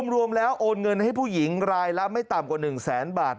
รวมแล้วโอนเงินให้ผู้หญิงรายละไม่ต่ำกว่า๑แสนบาท